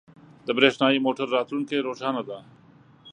• د برېښنايی موټرو راتلونکې روښانه ده.